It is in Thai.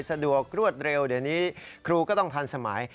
สะดวกรวดเร็วเดี๋ยวนี้ครูก็ต้องทันสมัย